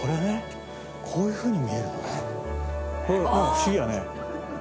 不思議やね。